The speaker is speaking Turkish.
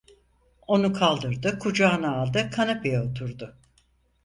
Onu kaldırdı, kucağına aldı, kanepeye oturdu.